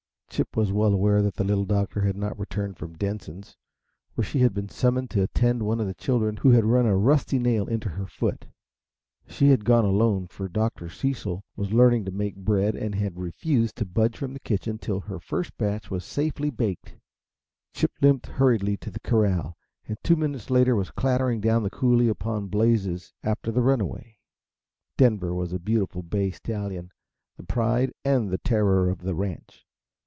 Chip was well aware that the Little Doctor had not returned from Denson's, where she had been summoned to attend one of the children, who had run a rusty nail into her foot. She had gone alone, for Dr. Cecil was learning to make bread, and had refused to budge from the kitchen till her first batch was safely baked. Chip limped hurriedly to the corral, and two minutes later was clattering down the coulee upon Blazes, after the runaway. Denver was a beautiful bay stallion, the pride and terror of the ranch.